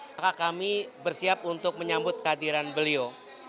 maka kami bersiap untuk menyambut kehadiran beliau